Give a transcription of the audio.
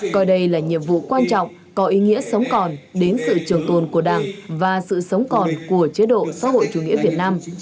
coi đây là nhiệm vụ quan trọng có ý nghĩa sống còn đến sự trường tồn của đảng và sự sống còn của chế độ xã hội chủ nghĩa việt nam